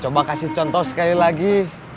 coba kasih contoh sekali lagi